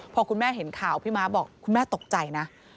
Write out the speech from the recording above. พอคุณแม่เห็นข่าวพี่ม้าบอกคุณแม่ตกใจนะ